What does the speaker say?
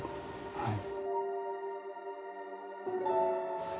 はい。